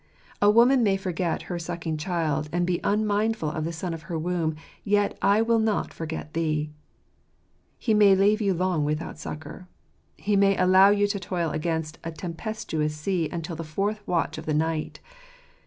A woman may forget her sucking child, and be unmindful of the son of her womb, " yet will I not forget thee." He may leave you long without succour. He may allow you to toil against a tempestuous sea until the fourth watch of the night.